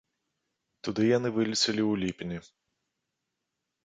Туды яны вылецелі ў ліпені.